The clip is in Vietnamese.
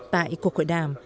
tại cuộc hội đàm